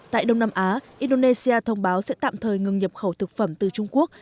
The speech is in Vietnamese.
tại đông nam á indonesia thông báo sẽ tạm thời ngừng nhập khẩu thực phẩm từ trung quốc